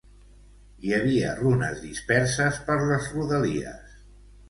Hi havia runes disperses per les rodalies.